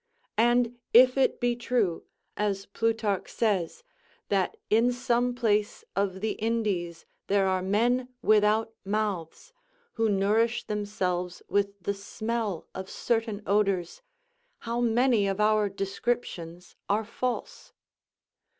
And if it be true, as Plutarch says, that in some place of the Indies there are men without mouths, who nourish themselves with the smell of certain odours, how many of our descriptions are false?